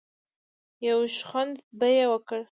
يو شخوند به يې وکړ.